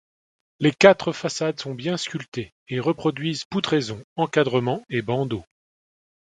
Les quatre façades sont bien sculptées et reproduisent poutraison, encadrements et bandeaux.